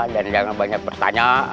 dan jangan banyak bertanya